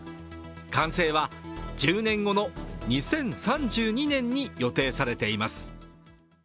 完成は１０年後の２０３２年に予定されています。